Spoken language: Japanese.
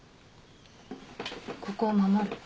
ここを守る。